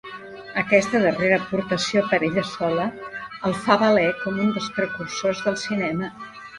Aquesta darrera aportació per ella sola el fa valer com un dels precursors del Cinema.